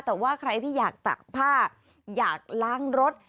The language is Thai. แต่ว่าใครที่อยากตักผ้าอยากล้างรถ